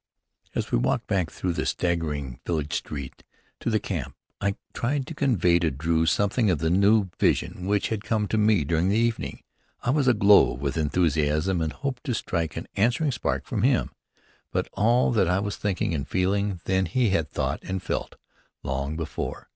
As we walked back through the straggling village street to the camp, I tried to convey to Drew something of the new vision which had come to me during the evening. I was aglow with enthusiasm and hoped to strike an answering spark from him. But all that I was thinking and feeling then he had thought and felt long before.